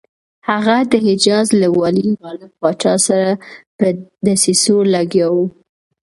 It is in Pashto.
هغه د حجاز له والي غالب پاشا سره په دسیسو لګیا وو.